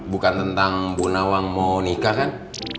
bukan tentang bu nawang mau nikah kan